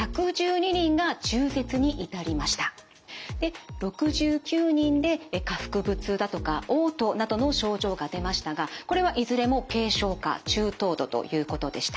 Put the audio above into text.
で６９人で下腹部痛だとかおう吐などの症状が出ましたがこれはいずれも軽症か中等度ということでした。